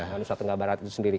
nusa tenggara barat itu sendiri